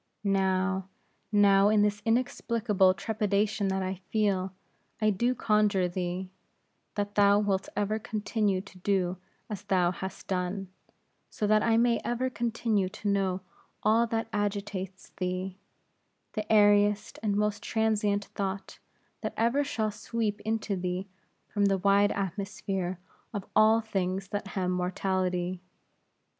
Now, now, in this inexplicable trepidation that I feel, I do conjure thee, that thou wilt ever continue to do as thou hast done; so that I may ever continue to know all that agitatest thee, the airiest and most transient thought, that ever shall sweep into thee from the wide atmosphere of all things that hem mortality.